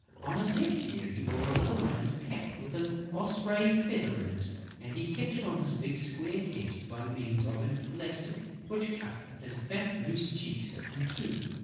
On his left ear, he wore a little round cap with an osprey feather in it and he kept it on his big square head by means of an elastic which cut his fat, loose cheeks in two.